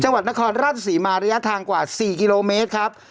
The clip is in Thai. จังหวัดนครราชศรีมาระยะทางกว่า๔กิโลเมตรครับ